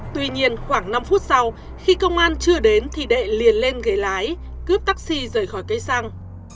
tuy nhiên khoảng năm phút sau khi công an chưa đến thì đệ liền lên ghế lái cướp taxi rời khỏi cây xăng